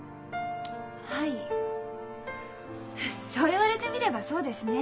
はいそう言われてみればそうですね。